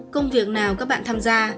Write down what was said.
công việc nào các bạn tham gia